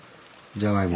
じゃがいも。